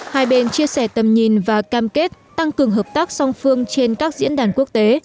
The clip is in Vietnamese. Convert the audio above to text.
hai bên chia sẻ tầm nhìn và cam kết tăng cường hợp tác song phương trên các diễn đàn quốc tế